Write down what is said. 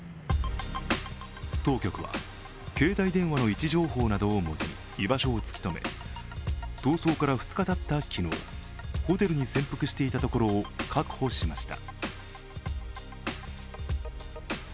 当局は、携帯電話の位置情報などをもとに居場所を突き止め逃走から２日たった昨日、ホテルに潜伏していたところを確保しました。